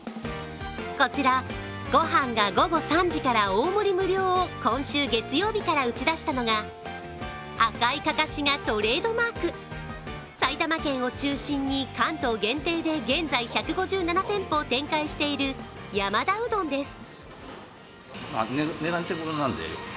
こちら、ご飯が午後３時から大盛り無料を今週月曜日から打ち出したのが、赤いかかしがトレードマーク、埼玉県を中心に関東限定で現在１５７店舗を展開している山田うどんです。